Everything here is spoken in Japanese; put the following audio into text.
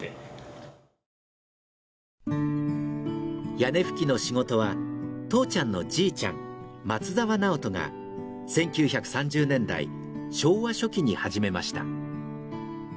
屋根葺きの仕事はとうちゃんのじいちゃん松澤直人が１９３０年代昭和初期に始めました。